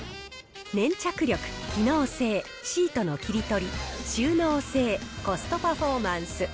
粘着力、機能性、シートの切り取り、収納性、コストパフォーマンス。